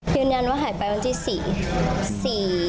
ยืนยันว่าหายไปวันที่๔